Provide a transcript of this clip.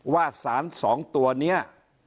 ว่าสารสองตัวเนี้ย